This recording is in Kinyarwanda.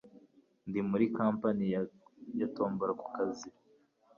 Ndi muri kapani ya tombora kukazi